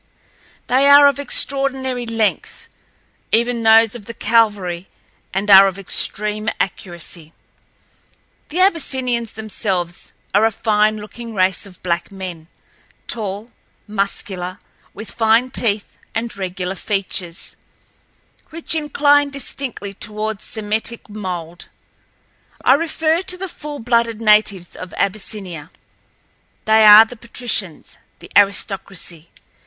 They are of extraordinary length, even those of the cavalry, and are of extreme accuracy. The Abyssinians themselves are a fine looking race of black men—tall, muscular, with fine teeth, and regular features, which incline distinctly toward Semitic mold—I refer to the full blooded natives of Abyssinia. They are the patricians—the aristocracy.